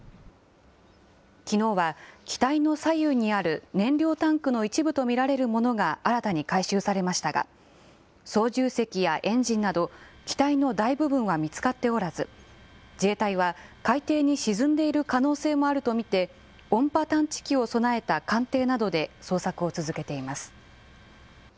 きのうは機体の左右にある燃料タンクの一部と見られるものが新たに回収されましたが、操縦席やエンジンなど機体の大部分は見つかっておらず、自衛隊は、海底に沈んでいる可能性もあると見て、音波探知機を備えた艦艇などで捜索を続けています。